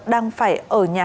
đang phải ở nhà